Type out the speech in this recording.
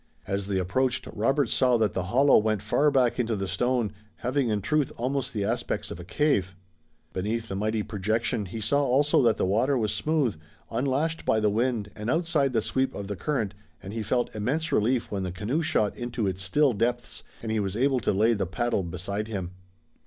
As they approached, Robert saw that the hollow went far back into the stone, having in truth almost the aspects of a cave. Beneath the mighty projection he saw also that the water was smooth, unlashed by the wind and outside the sweep of the current, and he felt immense relief when the canoe shot into its still depths and he was able to lay the paddle beside him.